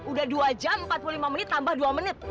udah dua jam empat puluh lima menit tambah dua menit